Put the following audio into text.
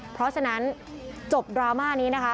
เพราะฉะนั้นจบดราม่านี้นะคะ